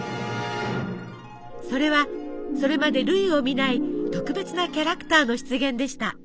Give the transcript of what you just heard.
それはそれまで類を見ない特別なキャラクターの出現でした。